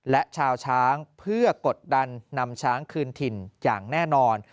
และชาวช้างเพื่อกดดันนำช้างคืนถิ่นอย่างแน่นอน